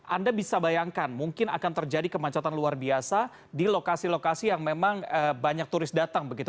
anda bisa bayangkan mungkin akan terjadi kemacetan luar biasa di lokasi lokasi yang memang banyak turis datang begitu